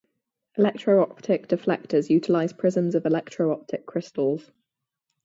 Electro-optic deflectors utilize prisms of electro-optic crystals.